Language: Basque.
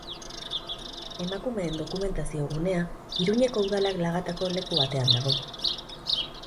Emakumeen Dokumentazio Gunea Iruñeko Udalak lagatako leku batean dago.